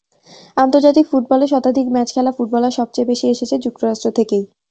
আন্তর্জাতিক ফুটবলে শতাধিক ম্যাচ খেলা ফুটবলার সবচেয়ে বেশি এসেছে যুক্তরাষ্ট্র থেকেই।